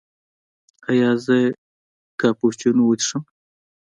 ایا زه باید کاپوچینو وڅښم؟